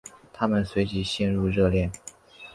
他们随即陷入热恋。